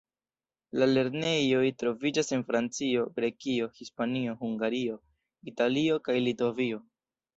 La lernejoj troviĝas en Francio, Grekio, Hispanio, Hungario, Italio kaj Litovio.